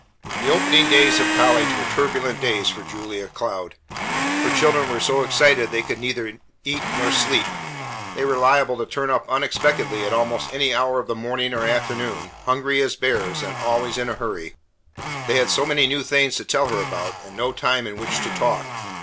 The opening days of college were turbulent days for Julia Cloud. Her children were so excited they could neither eat nor sleep. They were liable to turn up unexpectedly at almost any hour of the morning or afternoon, hungry as bears, and always in a hurry. They had so many new things to tell her about, and no time in which to talk.